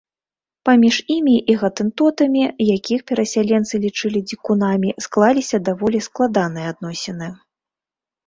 Паміж імі і гатэнтотамі, якіх перасяленцы лічылі дзікунамі, склаліся даволі складаныя адносіны.